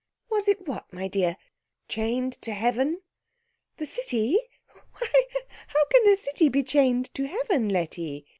"Was it what, my dear?" "Chained to heaven?" "The city? Why, how can a city be chained to heaven, Letty?"